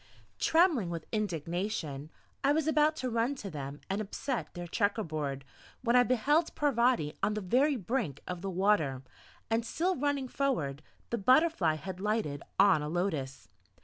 Trembling with indignation, I was about to run to them and upset their checker board, when I beheld Parvati on the very brink of the water, and still running forward the butterfly had lighted on a lotus.